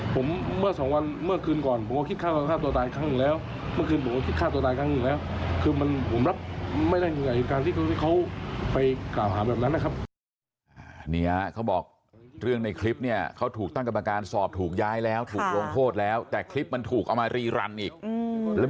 ผมเมื่อสองวันเมื่อคืนก่อนผมก็คิดฆ่าตัวตายอีกครั้งอีกแล้ว